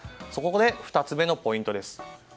そこで、２つ目のポイントです。